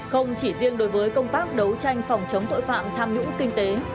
không chỉ riêng đối với công tác đấu tranh phòng chống tội phạm tham nhũng kinh tế